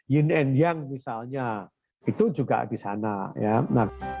yin and yang misalnya itu juga di sana ya